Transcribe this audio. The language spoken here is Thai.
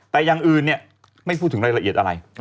แต่อย่างอื่นเนี่ยไม่พูดถึงรายละเอียดอะไร